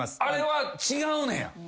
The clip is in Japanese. あれは違うねや。